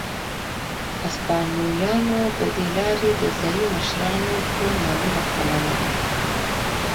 هسپانویانو په دې لارې د ځايي مشرانو ټول مالونه خپلول.